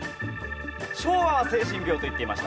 昭和は成人病と言っていました。